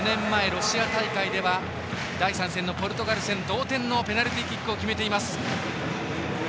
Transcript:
ロシア大会では第３戦のポルトガル戦、同点のペナルティーキックを決めています。